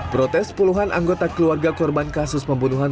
protes puluhan anggota keluarga korban kasus pembunuhan